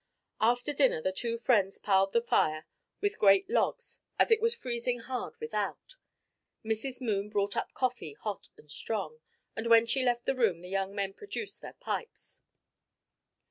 After dinner the two friends piled the fire with great logs as it was freezing hard without. Mrs. Moon brought up coffee hot and strong, and when she left the room the young men produced their pipes.